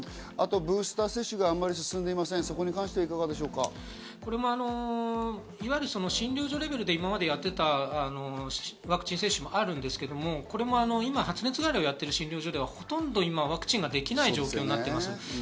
あとブースター接種があまりいわゆる診療所レベルで今までやっていたワクチン接種もあるんですけど、これも今、発熱外来をやっている診療所ではほとんど今、ワクチンができない状況になっています。